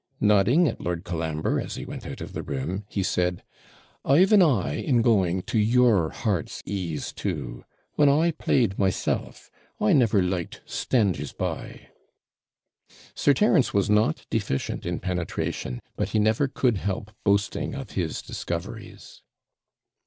Nodding at Lord Colambre as he went out of the room, he said, 'I've an eye, in going, to your heart's ease too. When I played myself, I never liked standers by.' Sir Terence was not deficient in penetration, but he never could help boasting of his discoveries.